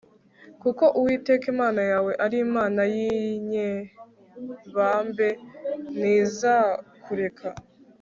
kuko uwiteka imana yawe ari imana y'inyebambe, ntizakureka